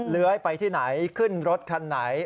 เลื้อยไปที่ไหนขึ้นรถคันไหน